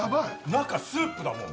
中、スープだ、もう。